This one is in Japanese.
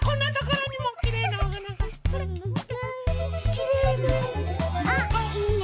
きれいね！